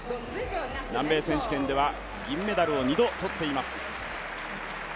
南米選手権では銀メダルを二度取っています。